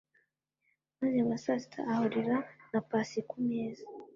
maze mumasasita ahurira na pasi kumeza.